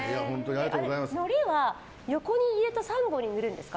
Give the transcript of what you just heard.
のりは横に入れて３本にするんですか。